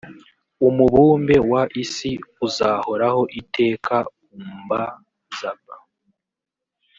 umubumbe w isi uzahoraho iteka umb zb